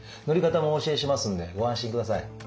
塗り方もお教えしますんでご安心ください。